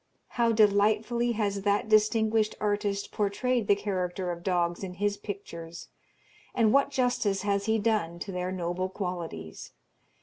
How delightfully has that distinguished artist portrayed the character of dogs in his pictures! and what justice has he done to their noble qualities!